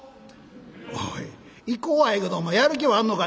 「おい『行こ』はええけどお前やる気はあんのか？」。